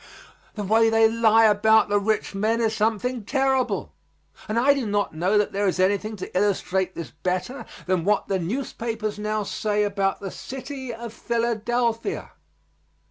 The way they lie about the rich men is something terrible, and I do not know that there is anything to illustrate this better than what the newspapers now say about the city of Philadelphia.